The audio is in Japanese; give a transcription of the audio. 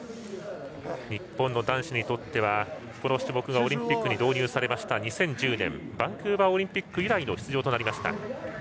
日本の男子にとってはこの種目がオリンピックに導入された２０１０年、バンクーバーオリンピック以来の出場となりました。